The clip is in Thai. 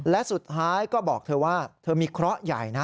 และสุดท้ายก็บอกเธอว่าเธอมีเคราะห์ใหญ่นะ